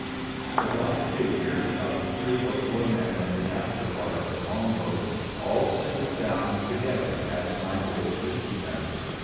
' The black figures of three or four men in the after part of the I,ong I)oat all stooped down together as my voice reached theni.